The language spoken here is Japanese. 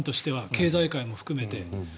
経済界も含めて。